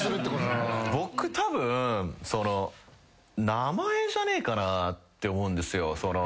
僕たぶん名前じゃねえかなって思うんですよ。